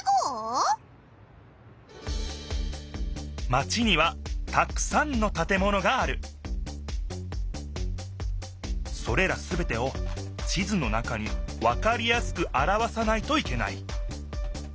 マチにはたくさんのたてものがあるそれらすべてを地図の中にわかりやすくあらわさないといけない